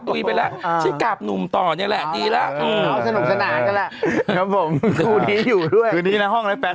ทำสามเรื่องเดียวอะไม่เยอะแปน